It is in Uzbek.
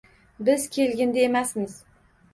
Biz kelgindi emasmiz